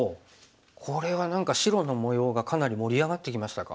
これは何か白の模様がかなり盛り上がってきましたか？